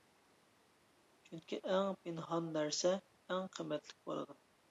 چۈنكى ئەڭ پىنھان نەرسە، ئەڭ قىممەتلىك بولىدۇ.